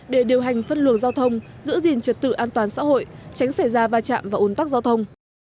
để điều hành phân luồng giao thông giữ gìn trật tự an toàn xã hội tránh xảy ra va chạm và ồn tắc giao thông